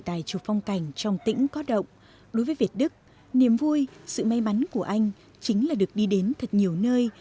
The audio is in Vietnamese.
tại chủ phong cảnh trong tỉnh có động đối với việt đức niềm vui sự may mắn của anh chính là được đi đến thật nhiều nơi